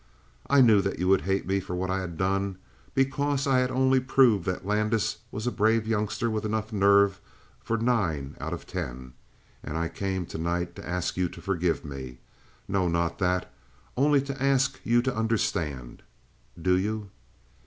"I knew that you would hate me for what I had done because I had only proved that Landis was a brave youngster with enough nerve for nine out of ten. And I came tonight to ask you to forgive me. No, not that only to ask you to understand. Do you?"